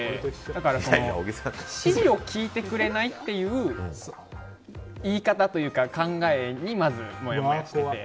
だから、指示を聞いてくれないっていう言い方というか考えに、まずもやもやしていて。